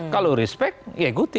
kalau respect ya ikuti